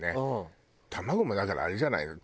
卵もだからあれじゃないの？